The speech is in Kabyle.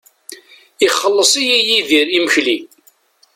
Ixelleṣ-iyi Yidir imekli.